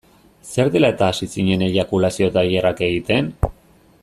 Zer dela-eta hasi zinen eiakulazio-tailerrak egiten?